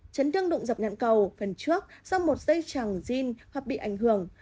chấn thương đụng dập nhãn cầu phần trước sau một dây chẳng din hoặc bị ảnh hưởng